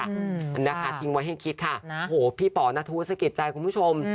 อืมนะคะทิ้งไว้ให้คิดค่ะโหพี่ป๋อนัทธุสะกิดใจคุณผู้ชม